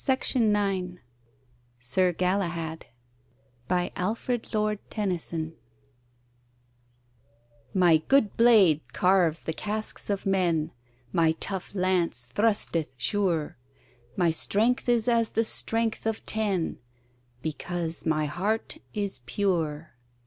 CHAPTER VII SIR GALAHAD BY ALFRED LORD TENNYSON My good blade carves the casques of men, My tough lance thrusteth sure, My strength is as the strength of ten, Because my heart is pure.